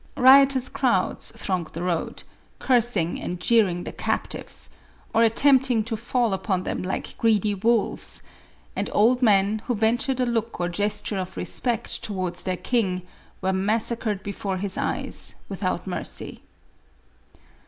Riotous crowds thronged the road, cursing and jeering the captives, or attempting to fall u{K)n them like greedy wolves; and old men, who ventured a look or gesture of respect towards their king, were massacred before his eyes, without mercy.